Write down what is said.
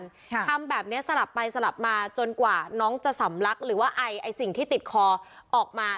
ค่ะทำแบบเนี้ยสลับไปสลับมาจนกว่าน้องจะสำลักหรือว่าไอไอ้สิ่งที่ติดคอออกมา